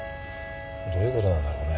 どういうことなんだろうね。